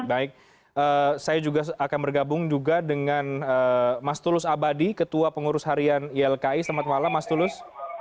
baik saya juga akan bergabung juga dengan mas tulus abadi ketua pengurus harian ilki selamat malam mas tulus